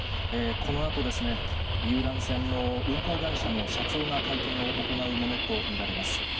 このあと、遊覧船の運航会社の社長が会見を行うものと見られます。